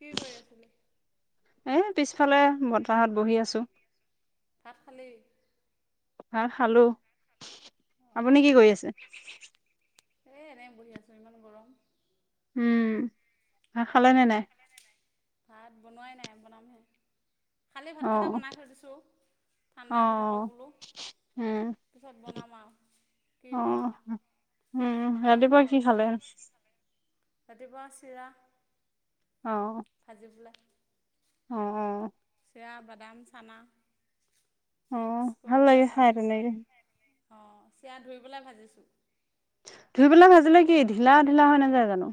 কি কৰি আছিলো এ পিছফালে বতাহত বহি আছো তাত খালি হা খালো আপুনি কি কৰি আছে এ এনে বহি আছো ইমান গৰম উম ভাত খালে নে নাই ভাত বনোৱাই নাই বনামহে খালী অ ভাতকেইটা বনাই থৈ দিছোঁ অ ঠাণ্ডা হৈ থাককঁ বোলো পিছত বনাম আৰু কি আহ বনাওঁ উম হতিুৱা কি খালে আদদিিবাাসৰাা অ ভাজি বলৈাক অ এতিয়া বাদাম চানা অ মিক্স ভাল লাগে কৰিবলৈ খাই ভাজিব তেনেকে পলৈ অঁ চিৰাা ধুৰিবলৈাই ভাজিছোঁ ধুই পেলা ভাজিলে কি ঢিলা ঢিলা হয় নেযায় জানো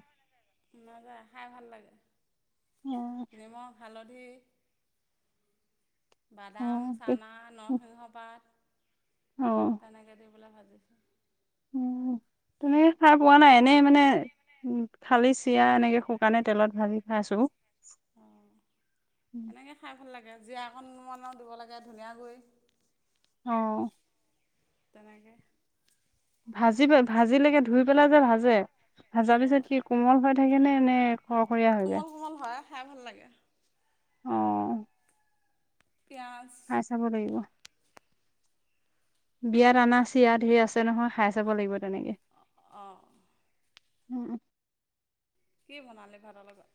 শু নাযায় খাই ভাল লাগে অ নিমখ হালধি বাদাম চানা নৰসিংহ অ পাত তেনেকৈ দি পলৈ ভাজ ছ উ তেনেকে চাই পোৱা নাই এনেই মানে উ খালি চিৰাা এনেকে শুকানে তেলত ভাজি খাইছো অ এনেকে খাই ভাল লাগে জীয়াকণমান দিব লাগে ধুনীয়ৈ অ তেনেকে ভাজি পেল ভাজিলেকে ধুই পেলাই যে ভাজে ভাজা পিছত অঁ কি কোমল হৈ থাকে নে নে খৰখৰীয়া হৈ যায় কোমল কোমল হয় খাই ভাল লাগে অ পিঁয়াজ খাই চাব লাগিব বিয়াত অনা চিয় ধঢেৰ আছে নহয় খাই চাব লাগিব তেনেকে আহঁ উম কি বনালে ভাড়া লগত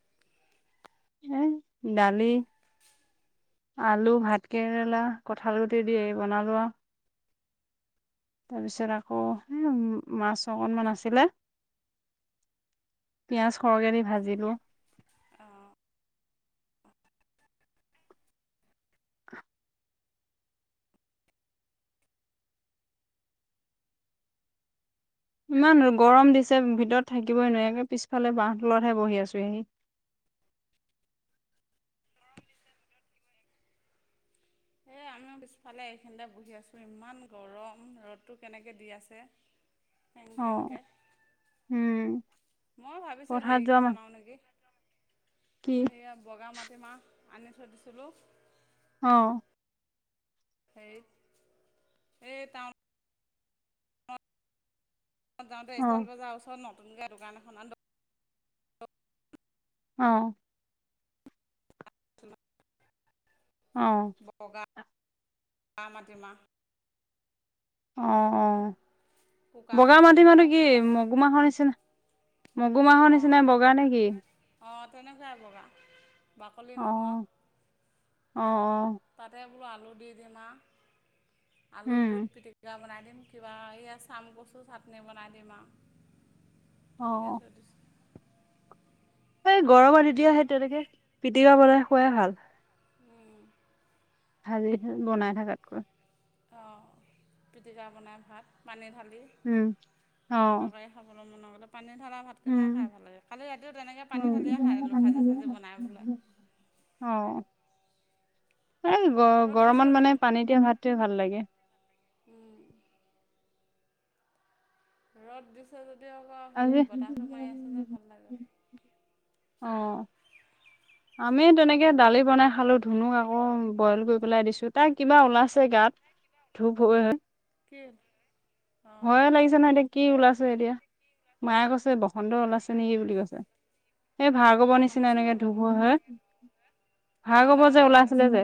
এ দালি আলু ভাত কেেৰেলা কঁঠাল গুটি দিয়ে বনালোৱা তাৰপিছত আকৌ মাছ অকণমান আছিলে পিয়য়াজ সৰকে দি ভাজিলো আহঁ ইমান গৰম দিছে ভিতৰত থাকিবই নোৱাৰোৱে পিছফালে বাহহ তলতহে বহি আছো হি [inaudible] এই [inaudible] আমি পিছফালে এইখিনিতে বহি আছোঁ ইমান গৰম ৰ'দটো কেনেকৈ দি আছে অ এংগংগ উম মই ভাবিছো পথাৰত যোৱা হেৰিকে মান বনাও নেকি কি সেয়া বগা মাটিমাহ আনি থৈ দিছিলোঁ অ স এই ত যাওঁতে অ ষ্টাইল বজাৰ ওচৰত নতুনকৈ দোকান এখন আ অ আহ চমতিম অঁ অঁ বগা কুকাৰতে দি মাটি মানো পেলাই কি মগুমাহহৰ নিচিনা মগু মাহৰ অঁ নিচিনা বগা নেকি অঁ তেনেকৈাই বগা বাকলি অ নোহোৱা অ অ তাতে বোলো আলু দি দিম আৰু আলু উম বুট পিটিকা বনাই দিম কিবা এয়া চাম কচু চাটনি বনাই দিম আৰু অ নেে আৰু এই গৰমত বনাম তেতিয়া সেই তেনেকে পিটিবা বনাই খোৱাই ভাল উম ভাজি বনাই থাকাতকৈ অঁ পিটিকা বনাই ভাত পানী ভাল উম অ মন গ'লে পানী ঢালা ভাতকেইটাহ খ উম ভাল লাগে কালি ৰাতিও তেনেকৈ পানী ঢালিয় খাই দো ভাজি ভাজি বনাই বোাই আহ এই গ ৰ'দ দিছে গৰমত মানে পানী দিয়া ভাতটোৱে ভাল লাগে ৰ'দ দিছে যদি আকৌ হেৰি আজি বতাহটো মাৰি আছে যে ভাল লাগে অঁ আমি তেনেকে দালি বনাই খালো ধুনুক আকৌ বইল কৰি পেলাই দিছো তাৰ কিবা ওলাইছে গাত ধূপ হৈ হয় কি হয় অঁ লাগিছে নাই এতিয়া কি ওলাইছে এতিয়া মায়ে কৈছে বসন্ত ওলাইছে নেকি বুলি কৈছে এই ভাৰ'ব নিচিনা ঘামুচিও এনেকে ধঢুপ হ ওলাব ডাঙৰ ভৱৰ যে ডাঙৰকৈ ওলাইছিলে ওলাইছে যে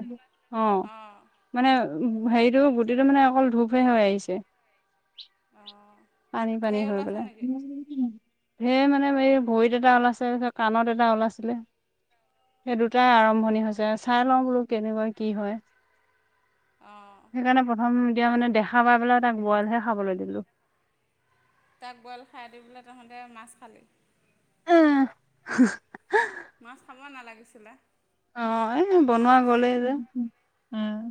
অ অঁ মানে হেৰিটো গুটিটো মানে অকল ধূপহে হৈ আহিছে অঁ পানী পানী ঢেৰ হৈ ওলাইছে গলে নেকি সেৰ মানে এই ভৰিত এটা ওলাইছেে কাণত এটা ওলাইছিলে সেই দু তাই আৰম্ভণি অঁ হৈছে চাই লওঁ বোলো কেনেকুৱা কি হয় অঁ সেইকাৰণে প্ৰথম তেতিয়া মানে দেখা পাই পেলাই তাক বইলহে খাবলৈ দিলো তাক বইল খাই দি পেলাই তহাঁঁতে মাছ খালে আহ মাছ খাব নালাগিছিলে আহ এ বনোৱা মাছখিনি গ'লে যে উম।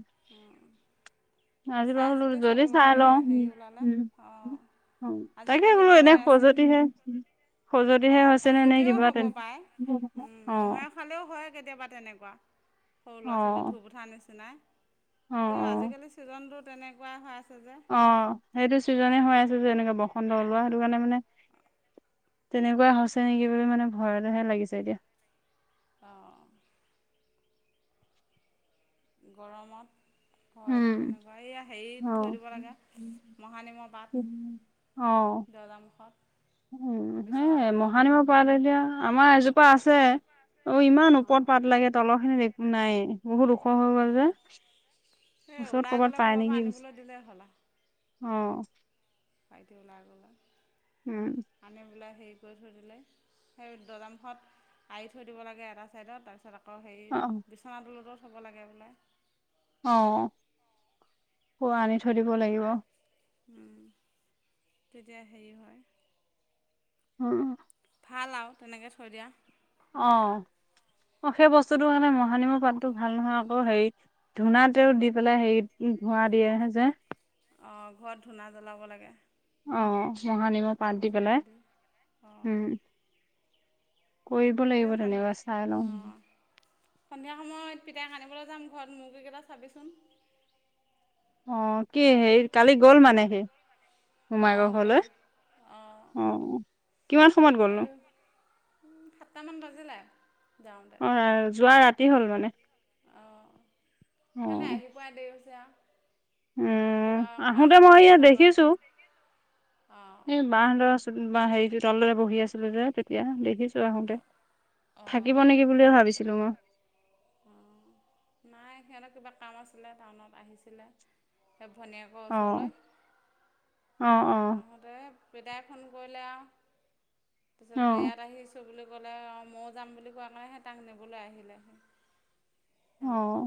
আজি বাৰু চাই বোলো চিতি যদি চলিব চাই লাগে লওঁ হেৰি ওলালে উম অ'। অ', তাকে বোলো এনে খজুতিহে। অ', সজুতেও হ'ব পাৰে অ মহে খালেও হয় কেতিয়াবা তেনেকুৱা। সৰু অ ল'ৰা ছোৱালীৰ ধুপ উঠাৰ নিচিনাই। অ তে অ আজিকালি ছিজনটো তেনেকুৱা হয় আহ সেইটো ছিজনে হৈ আছে যে এনেকে বসন্ত ওলোৱা সেইটো অঁ কাৰণে মানে তেনেকুৱা হৈছে নেকি বুলিো মানে ভয়তেহে লাগিছে এতিয়া। অ'। গৰমত। হয় যে উম তেনেকুৱা এইয়া অ হেৰিত থৈ দিব লাগে মহানিমৰ অ পাত। দৰ্জা মুখত। উম, সেয়া মহানিমৰ পাত এতিয়া আমাৰ এজোপা আছে। অ', ইমান অঁ ওপৰত পাত লাগে তলৰখিনিত একো নাই বহুত ওখ হৈ গ'ল অঁ যে। এই ওচৰত ওলাই কৰ'বাত গ'লে পাই ক'ৰবাৰ নেকি পৰা আনিবলৈ দিলেই হ'ল আৰু। অ'। [unintelligible] আনি উম পেলাই হেৰি কৰি থৈ দিলে সেই দৰ্জা মুখত আৰি থৈ দিব লাগে এটা ছাইডত তাৰপিছত আকৌ হেৰি অ বিচনা দলতো চ'ব লাগে বোলে। অ', পুৰা আনি থৈ দিব লাগিব। উম, তেতিয়া হেৰি হয়। উম। ভাল আৰু তেনেকৈ থৈ দিয়া। আহ। অ', সেই বস্তুটো কাৰণে মহানিমৰ পাতটো ভাল নহয় আকৌ হেৰি ধূনাতেও দি পেলাই হেৰি ধোৱা দিয়ে যে। অ', ঘৰত ধূনা জ্বলাব লাগে। অ', মহানিমৰ পাত কপৌ দি চপৌ পেলাই অঁ উম। কৰিব এই লাগিব সন্ধিয়া তেনেকুৱা চাই লওঁ। অঁ সন্ধিয়া সময়ত পিতাই আনিবলৈ যাম ঘৰত মুৰ্গীকেইটা চাবিচোন। অ', কি আজি হেৰি কালি গ'ল মানে সি। অঁ মোমাইকৰ ঘৰলৈ গ'ল অঁ আহ কিমান সময়ত গ'লনো? উম, সাতটামান বাজিলে। যাওঁতে অ', যোৱা ৰাতি হ'ল মানে। অঁ অ সিহঁতে আহি পোৱাই দেৰি হৈছে আৰু। উম, কিবা কাম আহোতে মই আছিলে ইয়াত নগাঁৱত দেখিছো। অঁ এই বাহ দৰা হেৰি তলৰে বহি আছিলো যে তেতিয়া দেখিছো। আহোতে থাকিব নেকি বুলিয়ে ভাবিছিলো মই। অ', নাই সিহঁতৰ কিবা কাম আছিলে টাউনত আহিছিলে। সেই ভনীয়েকৰ অ ওচৰলৈ। অ অ আহোঁতে পিতাই ফোন কৰিলে আৰু অ তাৰপছত ইয়াত আহিছোঁ বুলি। ক'লে ময়ো যাম বুলি কোৱা কাৰণে সে তাক নিবলৈ আহিলেহি। আহ।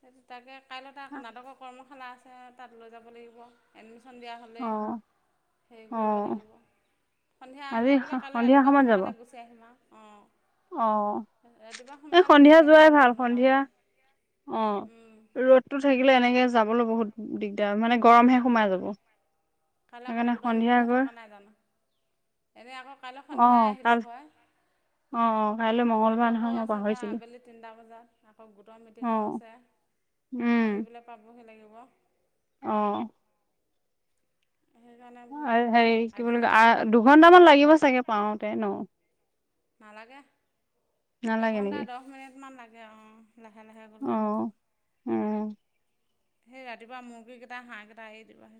সেইটো তাকে কাইলৈ তাত নাটকৰ কৰ্মশালা আছে তাত লৈ যাব লাগিব৷ এ সন্ধিয়া অ হ'লেই। হেৰি অ কৰিব লাগিব সন্ধিয়া আজি গৈ পেলাই কাইলৈ সন্ধিয়া ৰাতিপুৱা সময়ত যাব সোনকালে গুচি আহিম আৰু। অঁ অ ৰাতিপুৱা এই সোনকালে সন্ধিয়া গুচি যোৱাই আহিম ভাল ৰ'দ সন্ধিয়া নোলাওতে। অ', ৰ'দতো থাকিলে এনেকে যাবলৈ বহুত দিগদাৰ মানে গৰমহে অঁ সোমাই যাব। কাইলৈ আকৌ সেইকাৰণে গোটৰ সন্ধিয়া মিটিঙো গৈ থকা নাই জানো। এনেই আকৌ কাইলৈ অ সন্ধিয়াই আহিলোঁ কাল হয়। অ অ কাইলৈ মঙ্গলবাৰ নহয় সিতকো মই আছে তাৰ পাহৰিছিলো আবেলি তিনিটা বজাত আকৌ গোটৰ অ মিটিংও আছে। উম আহিবলৈ পাবহি লাগিব। অ'। সেইকাৰণে বোলো হেৰি কি বুলি আজিয়ে যাম ক আৰু দুঘন্টামান লাগিব চাগে পাওঁতে ন। নালাগে। নালাগে এঘণ্টা নেকি দহ মিনিটমান লাগে অ', লাহে, লাহে অ গ'লে উম সেই ৰাতিপুৱা মুৰ্গী কেইটা হাঁহ কেইটা আহ দিবা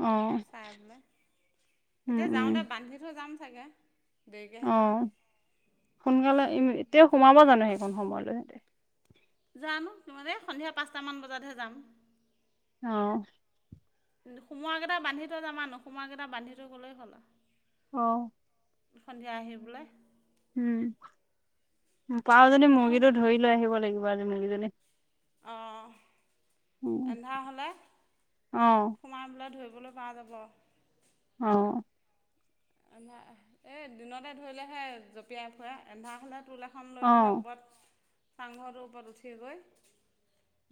অ চাই পেলাই উম এতিয়া উম যাওঁতে বান্ধি থৈ যাম চাগে। দেৰিকৈহে যাম অ', সোনকালে এতিয়া সোমাব জানো সেইকণ সময়লৈহেতে জানো এই সন্ধিয়া পাঁচটা মান বজাতহে যাম। অ',। সোমোৱা কেইটা বান্ধি থৈ যাম, নোসোমোৱা কেইটা বান্ধি থৈ গ'লেই হ'ল আৰু অহ। সন্ধিয়া আহিবলৈ উম, পাৰো যদি নোসোম মুৰ্গীটো ধৰি লৈ আহিব লাগিব আজ মুৰ্গীজনী অ', উম এন্ধাৰ হ'লে অ সোমাইবলৈ ধৰিব [unintelligible] পাৰা যাব। অ',। এন্ধা এ এই দিনতে ধৰিলেহে জঁপিয়াই ফুৰে এন্ধাৰ হ'লে টোল এখন লৈ পেলাই অ ওপৰত চাংঘৰটোৰ ওপৰত উঠি গৈ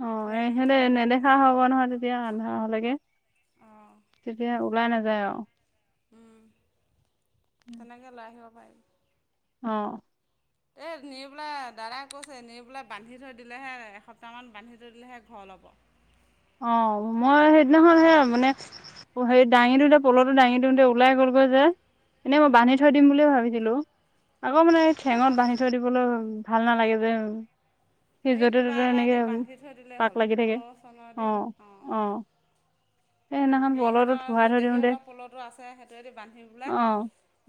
অ', ধুই এ আনিব সেহতে পৰা যায় নেদেখা তেনেকৈ হ'ব নহয় তেতিয়া আন্ধাৰ হলেকে অঁ তেতিয়া ওলাই নাযায় আৰু। উম, তেনেকে ওলাই আহিব পাৰি অ',। এই নি পেলাই দাদাই কৈছে নি পেলাই বান্ধি থৈ দিলেহে এসপ্তাহ মান বান্ধি থৈ দিলেহে ঘৰ ল'ব। অ', মই সেইদিনাখন সে নাহ মানে সেৰি দাঙিটোয়া পলতটো দাঙি দিওঁতে ওলাই গ'লগৈ যে এনেই মই বান্ধি অঁ থৈ দিম বুলিয়ে ভাবিছিলোঁ। আকৌ মানে ঠেঙত নহ'ল বান্ধি থৈ দিবলৈ ভাল নালাগে যে সি এই য'তে কিবা ত'তে এটা এ এনেকে দি বান্ধি থৈ দিলে পাক হ'ল লাগি থাকে পল' চল অ', দে অ'। এই সেইদিনাখন তেনেকে কলৰটোত ইহঁতৰ ভৰাই যে থৈ দিওঁতে দেহীহতৰ প'লটো আছে সেইটোহে বান্ধি অ পেলাই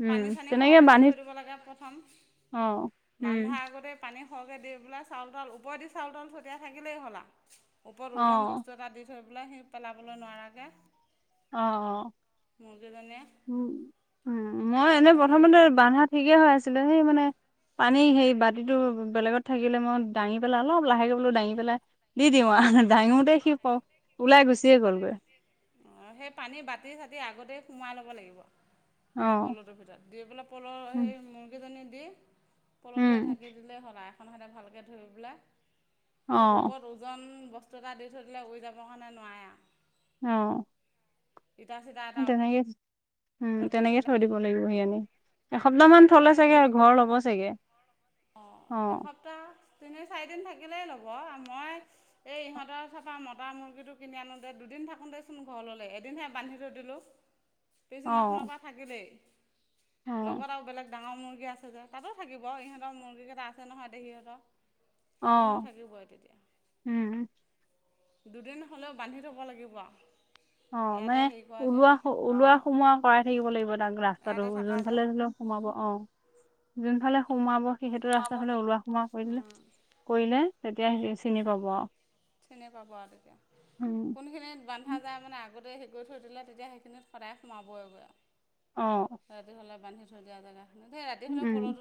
উম পানী চানী তেনেকে সৰহকে দি বান্ধি থৈ দিব লাগে প্ৰথম অ উম বান্ধাৰ আগতে পানী সৰহকে দি পেলাই চাউল তাওল ওপৰেদি চাউল তাওল থৈ দিয়া থাকিলেই হ'লা ওপৰত অ ওজন বস্তু এটা দি থৈ পেলাই সি পেলাবলৈ নোৱাৰাকৈ অ', অ'। মুৰ্গীজনীয়ে উম, উম মই এনে তেতিয়া হেৰি প্ৰথমতে হ'ব বান্ধা ঠিকে হৈ আছিলে সেই মানে পানী সেই বাতিটো বেলেগত থাকিলে মই দাঙি পেলাই অলপ লাহেকৈ বোলো দাঙি পেলাই দি দিম দাঙোতে সি ক ওলাই গুচিয়ে গ'লগৈ অহ, সেই পানী বাতি চাতি আগতেই সোমাই ল'ব লাগিব। অ প'লটোৰ ভিতৰত দি পেলাই প'ল উম সেই মুৰ্গীজনী দি উম পলটোৱে ঢাকি দিলে হ'লা এখন হাতে ভালকৈ ধুৰি পেলাই অ তাৰপিছত ওপৰত ওজন বস্তু এটা দি থৈ দিলে উৰি যাবৰ কাৰণে নোৱাৰ আৰু অ',। ইটা চিটা এটা তেনেকে উম, তেনেকে থৈ দিব লাগিব সি আনি অহ, এসপ্তাহ তেতিয়া মান সেইটো থলে তাতে চাগে ঘূৰি থাকিব ঘৰ নাই ল'ব চাগে অ', অ এসপ্তাহ তিনি চাৰিদিন থাকিলেই ল'ব মই এই ইহঁতৰ চপা মতা মুৰ্গীটো কিনি আনোতে দুদিন দুদিন থাকো দেচোন ঘৰ ললে এদিনহে বান্ধি থৈ দিলো অ পিছদিনাখনৰ পৰা থাকিলেই অ লগত আৰু বেলেগ ডাঙৰ মুৰ্গী আছে যে তাতো থাকিব, ইহঁতৰ মুৰ্গী কেইটা আছে নহয় দে সিহঁতৰ অ সজনো থাকিবই তেতিয়া উম দুদিন হ'লেও বান্ধি থব লাগিব অ ইয়াতে মানে হেৰি কৰা যে ওলোৱা ওলোৱা অঁ সোমোৱা কৰাই থাকিব লাগিব তাক ৰাস্তাটো ইয়াতে থকা যোন যে ফালে চো সোমাব অ যোনফালে সোমাব সিহতটো ৰাস্তা ফাললে ওলোৱা সোমোৱা কৰিলে কৰিলে তেতিয়া স চিনি পাব আৰু চিনি পাব আৰু তেতিয়া উম কোনোখিনিত বন্ধা যায় মানে আগ আগতে হেৰি কৰি থৈ দিলে তেতিয়া সেইখিনিত সদায় সোমাবইগৈ অ আৰু ৰাতি হ'লে উম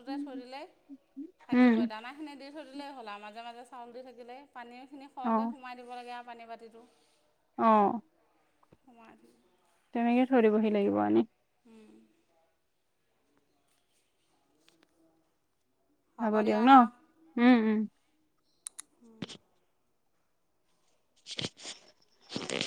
উম বান্ধি [unintelligible] থৈ দিলেই হ'ল আৰু মাজে মাজে চাউল দি থাকিলে পানী খিনি সৰহকে সোমাই দিব লাগে আৰু পানী বাতিটো আহ সমাজ তেনেকে ধৰিবহি লাগিব আনি হব দিয়ক ন উম উম তে [unintelligible]